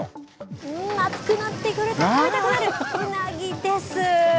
暑くなってくると食べたくなる、ウナギです。